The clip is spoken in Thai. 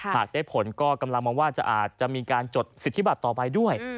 หากได้ผลก็กำลังมองว่าอาจจะมีการจดสิทธิบัตรต่อไปด้วย